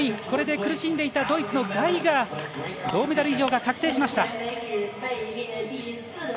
これで、苦しんでいたドイツのガイガー銅メダル以上が確定しました。